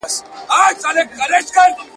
یا په رپ کي یې د سترګو یې پلورلی !.